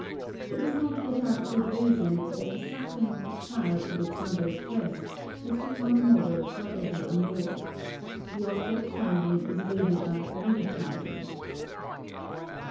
It is not without good reason that the suckling of the child at its mother's breast has become a model for every amour. The object finding is really a re finding.